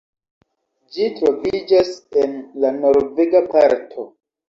Ĝi troviĝas en la norvega parto.